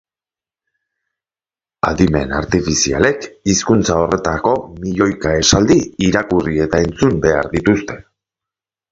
Adimen artifizialek hizkuntza horretako milioika esaldi irakurri eta entzun behar dituzte.